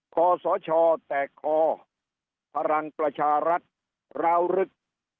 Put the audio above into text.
คอสอชอแตกคอพลังประชารักษณ์ราวรึก